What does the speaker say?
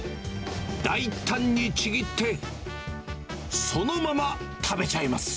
大胆にちぎって、そのまま食べちゃいます。